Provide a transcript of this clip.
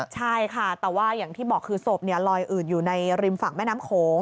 ใช่ค่ะแต่ว่าอย่างที่บอกคือศพลอยอืดอยู่ในริมฝั่งแม่น้ำโขง